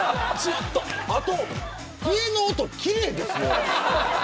あと笛の音、奇麗ですね。